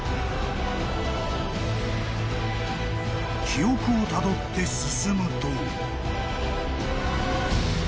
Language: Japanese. ［記憶をたどって進むと］